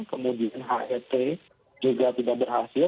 kemudian het juga tidak berhasil